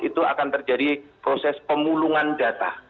itu akan terjadi proses pemulungan data